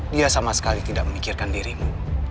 dia sama sekali tidak memikirkan dirimu